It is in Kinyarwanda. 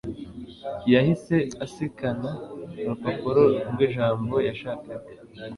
yahise asikana urupapuro rwijambo yashakaga